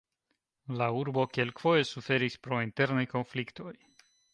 La urbo kelkfoje suferis pro internaj konfliktoj.